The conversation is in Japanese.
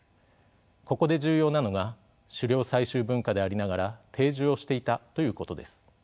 ここで重要なのが狩猟採集文化でありながら定住をしていたということです。